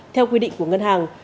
theo quy định của ngân hàng